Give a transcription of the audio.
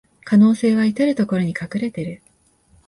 可能性はいたるところに隠れてる